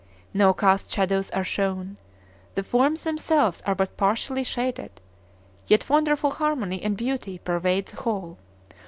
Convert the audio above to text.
No cast shadows are shown, the forms themselves are but partially shaded, yet wonderful harmony and beauty pervade the whole.